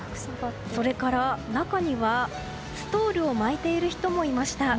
それから中にはストールを巻いている人もいました。